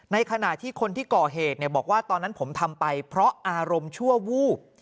ในขณะที่คนที่ก่อเหตุบอกว่าตอนนั้นผมทำไปเพราะอารมณ์ชั่ววูบ